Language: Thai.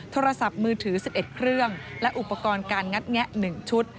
โทรศัพท์มือถือ๑๑เครื่องและอุปกรณ์การงัดแงะ๑ชุด